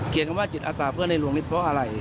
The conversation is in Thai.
คำว่าจิตอาสาเพื่อนในหลวงนี่เพราะอะไร